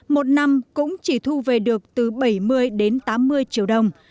một năm cũng chỉ thu về được từ bảy mươi đến tám mươi triệu đồng